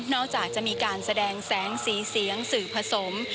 จากจะมีการแสดงแสงสีเสียงสื่อผสม